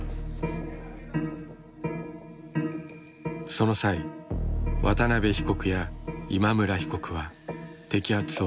その際渡邉被告や今村被告は摘発を逃れた。